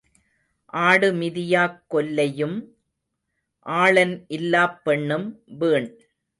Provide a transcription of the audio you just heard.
ஆடு மிதியாக் கொல்லையும் ஆளன் இல்லாப் பெண்ணும் வீண்.